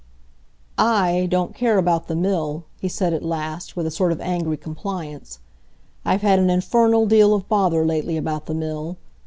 "I don't care about the mill," he said at last, with a sort of angry compliance. "I've had an infernal deal of bother lately about the mill.